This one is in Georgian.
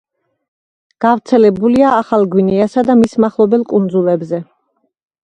გავრცელებულია ახალ გვინეასა და მის მახლობელ კუნძულებზე.